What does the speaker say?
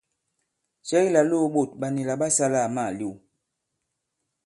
Cɛ ki làlōō ɓôt ɓa nila ɓa sālā àma màlew ?